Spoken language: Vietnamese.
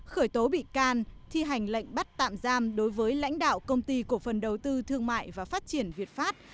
khởi tố bị can thi hành lệnh bắt tạm giam đối với lãnh đạo công ty cổ phần đầu tư thương mại và phát triển việt pháp